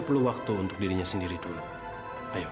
gue udah tau semuanya